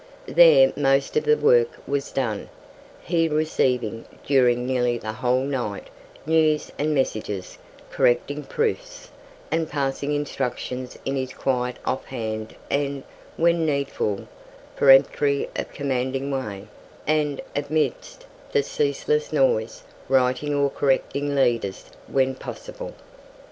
There most of the work was done, he receiving, during nearly the whole night, news and messages, correcting proofs, and passing instructions in his quiet off hand, and, when needful, peremptory or commanding way, and, amidst the ceaseless noise, writing or correcting leaders when possible.